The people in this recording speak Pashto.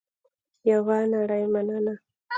یوه نړۍ مننه